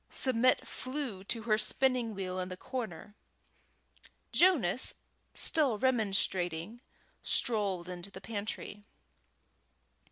Submit flew to her spinning wheel in the corner. Jonas, still remonstrating, strolled into the pantry.